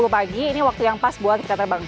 sepuluh pagi ini waktu yang pas buat kita terbang